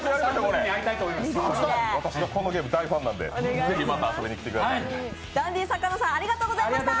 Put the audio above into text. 私もこのゲーム、大ファンなんでまた遊びに来てください。